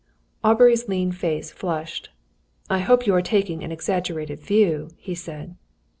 Aubrey's lean face flushed. "I hope you are taking an exaggerated view," he said.